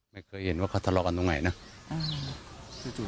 ไม่เคยเห็นว่าเขาทำหลอกอันตรงไหนนะจู่